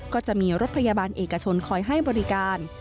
ก็จะมีรถพยาบาลเอกชนคอยให้บริการ